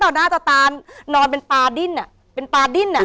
เป็นปลาดิ้นอ่ะเป็นปลาดิ้นอ่ะ